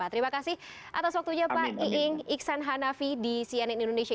terima kasih atas waktunya pak iing iksan hanafi di cnn indonesia